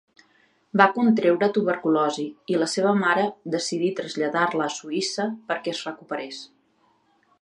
Va contreure tuberculosi i la seva mare decidí traslladar-la a Suïssa perquè es recuperés.